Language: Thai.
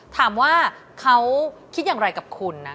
ถามว่าเขาคิดอย่างไรกับคุณนะ